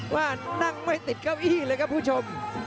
ว่านั่งไม่ติดเก้าอี้เลยครับผู้ชม